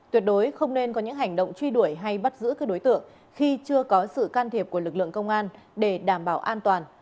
tuyệt đối không nên có những hành động truy đuổi hay bắt giữ các đối tượng khi chưa có sự can thiệp của lực lượng công an để đảm bảo an toàn